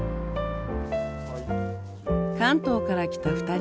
関東から来た２人。